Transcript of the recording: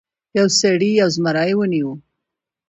یو سړي یو زمری ونیو.